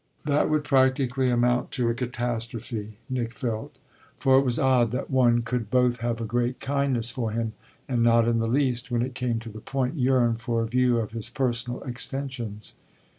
That would practically amount to a catastrophe, Nick felt; for it was odd that one could both have a great kindness for him and not in the least, when it came to the point, yearn for a view of his personal extensions.